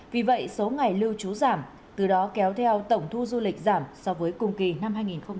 vì vậy số ngày lưu trú giảm từ đó kéo theo tổng thu du lịch giảm so với cùng kỳ năm hai nghìn một mươi chín